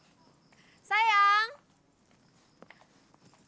buat kamu apa sih yang gak bisa aku lakuin